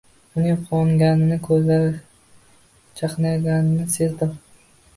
Uning quvonganini ko`zlari chaqnaganidan sezdim